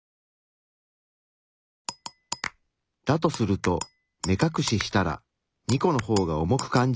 だとすると目かくししたら２個の方が重く感じるはず。